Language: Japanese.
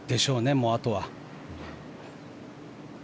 もう、あとは。